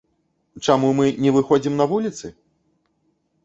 Чаму мы не выходзім на вуліцы?